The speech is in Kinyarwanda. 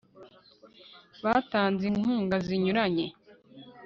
batanze inkunga zinyuranye